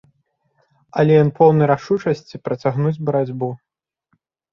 Але ён поўны рашучасці працягнуць барацьбу.